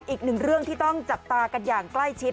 อีกหนึ่งเรื่องที่ต้องจับตากันอย่างใกล้ชิด